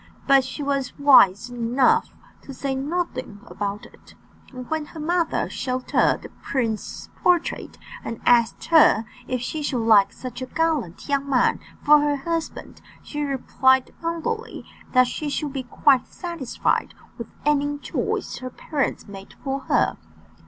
But she was wise enough to say nothing about it; and when her mother showed her the prince's portrait, and asked her if she should like such a gallant young man for her husband, she replied humbly that she should be quite satisfied with any choice her parents made for her.